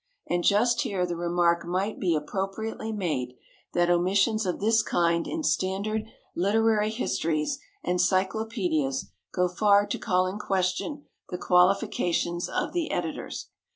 And just here the remark might be appropriately made that omissions of this kind in standard literary histories and cyclopædias go far to call in question the qualifications of the editors.